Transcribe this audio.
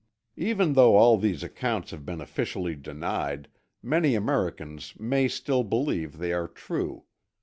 Even though all these accounts have been officially denied, many Americans may still believe they are true.